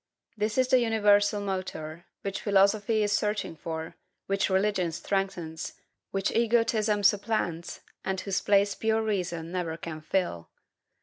This is the universal motor, which philosophy is searching for, which religion strengthens, which egotism supplants, and whose place pure reason never can fill.